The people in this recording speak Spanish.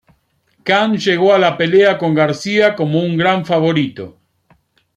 Khan llegó a la pelea con García como un gran favorito.